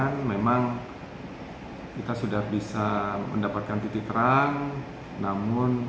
tentunya keselamatan pilot ini adalah